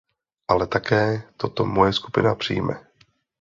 Ale také toto moje skupina přijme.